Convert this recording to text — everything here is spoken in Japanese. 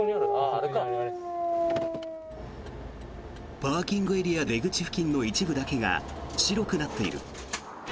パーキングエリア出口付近の一部だけが白くなっている。